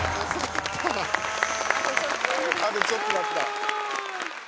あとちょっとだった。